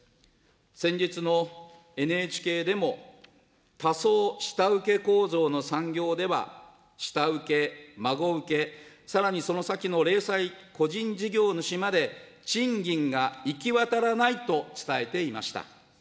先日のＮＨＫでも、多層下請け構造の産業では、下請け、孫請け、さらにその先の零細、個人事業主まで、賃金が行き渡らないと伝えていました。